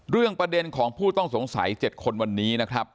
ประเด็นของผู้ต้องสงสัย๗คนวันนี้นะครับ